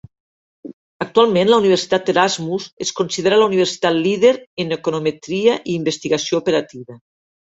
Actualment, la Universitat Erasmus es considera la universitat líder en econometria i investigació operativa.